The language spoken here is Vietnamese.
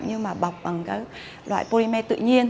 nhưng mà bọc bằng các loại polymer tự nhiên